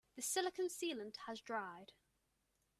The silicon sealant has dried.